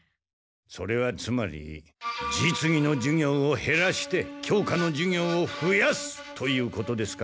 それはつまり実技の授業をへらして教科の授業をふやすということですか？